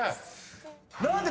何で？